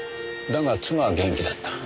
だが妻は元気だった。